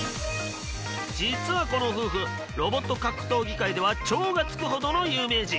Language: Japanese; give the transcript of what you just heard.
実はこの夫婦ロボット格闘技界では「超」が付くほどの有名人。